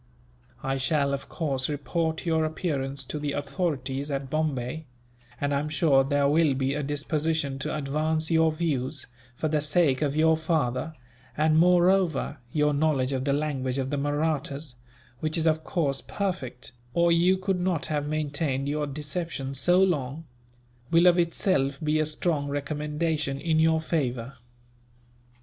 I shall, of course, report your appearance to the authorities at Bombay; and I am sure there will be a disposition to advance your views, for the sake of your father; and moreover, your knowledge of the language of the Mahrattas which is, of course, perfect, or you could not have maintained your deception so long will of itself be a strong recommendation in your favour."